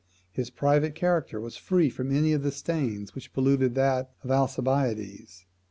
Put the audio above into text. His private character was free from any of the stains which polluted that of Alcibiades.